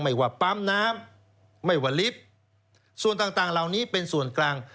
ไม่ว่าปั๊มน้ำไม่ว่าลิฟท์ส่วนต่างเหล่านี้เป็นส่วนกลาง